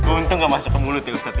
untung enggak masuk ke mulut ustaz